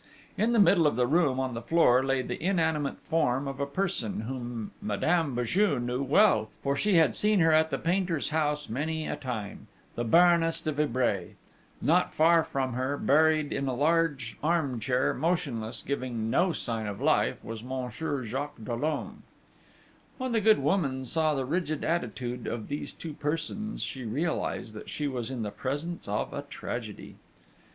In the middle of the room, on the floor, lay the inanimate form of a person whom Madame Béju knew well, for she had seen her at the painter's house many a time the Baroness de Vibray. Not far from her, buried in a large arm chair, motionless, giving no sign of life, was Monsieur Jacques Dollon! When the good woman saw the rigid attitude of these two persons, she realised that she was in the presence of a tragedy.